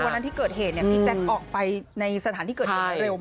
วันนั้นที่เกิดเหตุพี่แจ๊คออกไปในสถานที่เกิดเหตุเร็ว